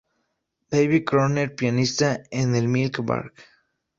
Baby Crooner: Pianista en el Milk Bar.